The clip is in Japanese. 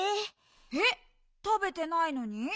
えったべてないのに？